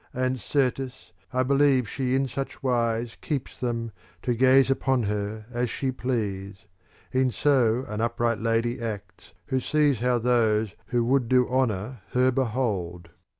And, certes, I believe she in such wise Keeps them, to gaze upon them as she please: E'en so an upright lady acts, who sees How those who would do honour her behold.